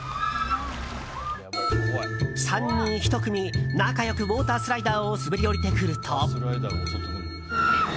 ３人１組、仲良くウォータースライダーを滑り降りてくると。